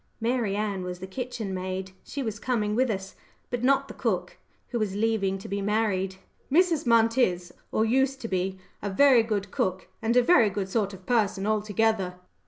Mary Ann was the kitchen maid. She was coming with us, but not the cook, who was leaving to be married. "Mrs. Munt is, or used to be, a very good cook, and a very good sort of person altogether."